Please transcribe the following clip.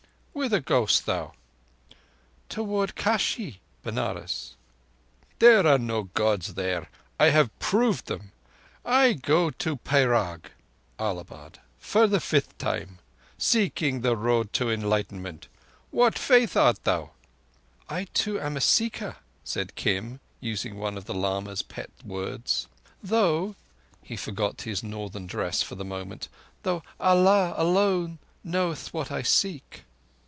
Whither goest thou?" "Toward Kashi [Benares]." "There are no Gods there. I have proved them. I go to Prayag [Allahabad] for the fifth time—seeking the Road to Enlightenment. Of what faith art thou?" "I too am a Seeker," said Kim, using one of the lama's pet words. "Though"—he forgot his Northern dress for the moment—"though Allah alone knoweth what I seek."